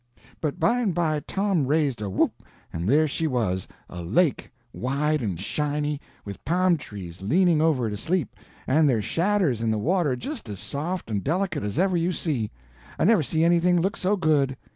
But by and by Tom raised a whoop, and there she was! A lake, wide and shiny, with pa'm trees leaning over it asleep, and their shadders in the water just as soft and delicate as ever you see. I never see anything look so good.